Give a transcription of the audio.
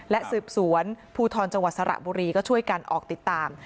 และสืบสวนภูทรจังหวัดสระบุรีก็ช่วยกันออกติดตาม